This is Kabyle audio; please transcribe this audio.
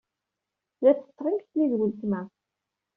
La ttetteɣ imekli ed weltma.